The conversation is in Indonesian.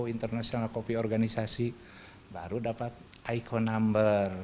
international kopi organisasi baru dapat aiko number